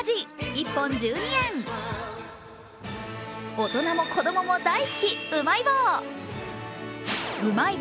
大人も子供も大好き、うまい棒。